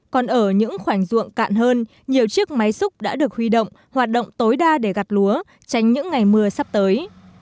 còn ở những khoảnh ruộng cạn hơn nhiều chiếc máy xúc đã được huy động hoạt động tối đa để gặt lúa tránh những ngày mưa sắp tới